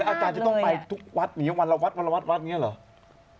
แล้วอาจารย์จะต้องไปจากวัดเนี่ยวันละวัดอย่างนี้เหรอ